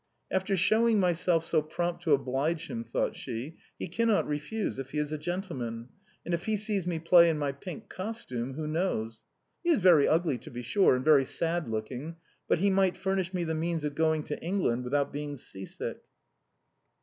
"After showing myself so prompt to oblige him," thought she, " he cannot refuse, if he is a gentleman ; and if he sees me play in my pink costume, who knows ? He is very THE TOILETTE OF THE GRACES. 213 Ugly, to be sure, and very sad looking, but he might furnish me the means of going to England without being sea sick."